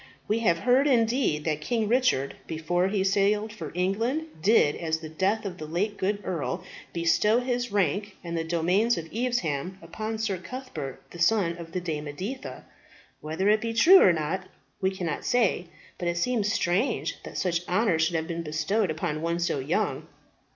We have heard indeed that King Richard, before he sailed for England, did, at the death of the late good earl, bestow his rank and the domains of Evesham upon Sir Cuthbert, the son of the Dame Editha. Whether it be true or not, we cannot say; but it seems strange that such honour should have been bestowed upon one so young.